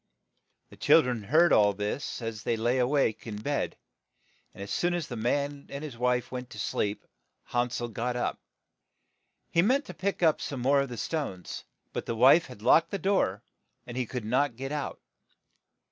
The chil dren had heard all this as they lay a wake in bed ; and as soon as the man and his wife went to sleep, Han sel got up. ,^ He meant to pick up some more of the small stones ; but the wife had locked the door, and he could not get PH; out.